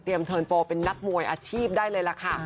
เทิร์นโปรเป็นนักมวยอาชีพได้เลยล่ะค่ะ